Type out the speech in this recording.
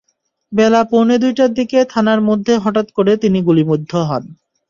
বেলা পৌনে দুইটার দিকে থানার মধ্যে হঠাৎ করে তিনি গুলিবিদ্ধ হন।